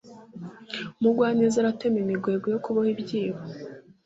Umugwaneza aratema imigwegwe yo kuboha ibyibo